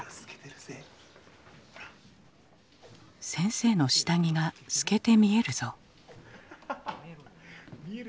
「先生の下着が透けて見えるぞ」。